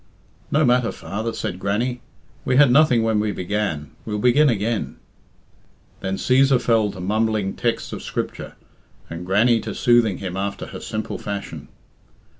"No matter, father," said Grannie. "We had nothing when we began; we'll begin again." Then Cæsar fell to mumbling texts of Scripture, and Grannie to soothing him after her simple fashion.